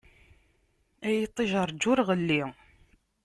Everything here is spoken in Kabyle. Ay iṭij ṛğu ur ɣelli.